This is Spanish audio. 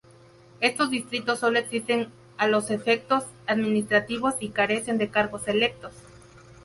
Estos distritos sólo existen a los efectos administrativos y carecen de cargos electos.